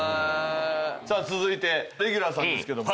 さあ続いてレギュラーさんですけども。